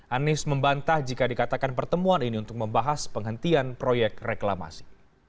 anies membantah jika dikatakan pertemuan ini untuk membahas penghentian proyek reklamasi